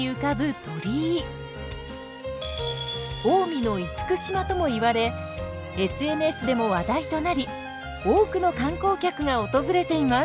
近江の厳島ともいわれＳＮＳでも話題となり多くの観光客が訪れています。